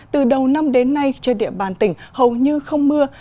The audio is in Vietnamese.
từ đầu năm đến nay trên địa bàn tỉnh hầu như không mưa